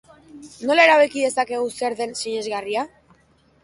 Nola erabaki dezakegu zer den sinesgarria?